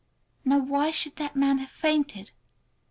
Now why should that man have fainted?